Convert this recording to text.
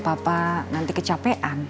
apa nanti kecapean